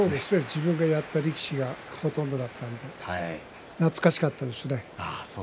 自分がやった力士がほとんどだったので懐かしかったですね。。